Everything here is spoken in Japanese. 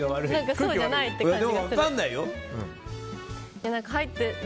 そうじゃないって感じがする。